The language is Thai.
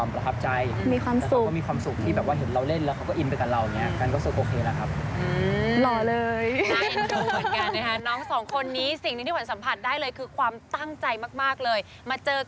เพราะว่ากันก็ยิ่งเรื่องน้อยอะไรอย่างนี้ครับ